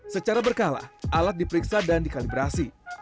secara berkala alat diperiksa dan dikalibrasi